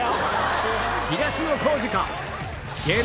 東野幸治か？